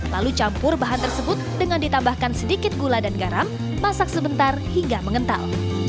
lalu campur bahan tersebut dengan ditambahkan sedikit gula dan garam masak sebentar hingga mengental